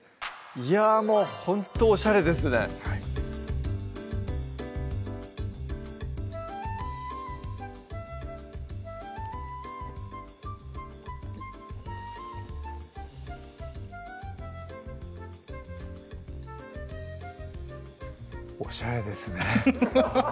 いやぁもうほんとおしゃれですねおしゃれですね